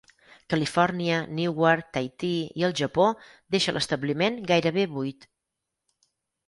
Califòrnia, Newark, Tahití i el Japó deixa l'establiment gairebé buit.